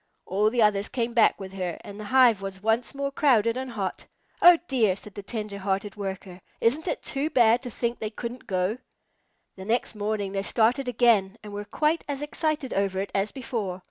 All the others came back with her, and the hive was once more crowded and hot. "Oh dear!" said the tender hearted Worker, "isn't it too bad to think they couldn't go?" The next morning they started again and were quite as excited over it as before.